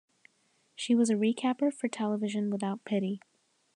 She was a recapper for Television Without Pity.